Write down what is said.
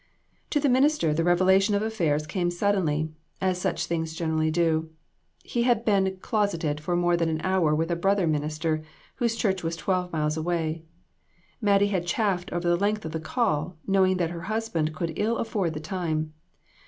To the minister the revelation of affairs came suddenly, as such things generally do. He had been closeted for more than an hour with a brother minister, whose church was twelve miles away. Mattie had chafed over the length of the call, knowing that her husband could ill afford the time.